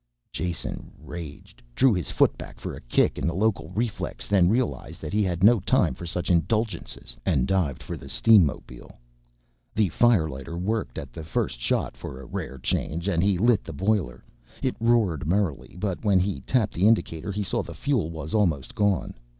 Jason raged, drew his foot back for a kick in the local reflex then realized he had no time for such indulgences and dived for the steamobile. The firelighter worked at the first shot, for a rare change, and he lit the boiler. It roared merrily but when he tapped the indicator he saw the fuel was almost gone.